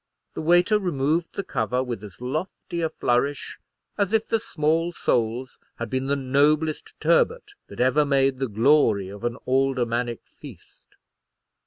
The waiter removed the cover with as lofty a flourish as if the small soles had been the noblest turbot that ever made the glory of an aldermannic feast.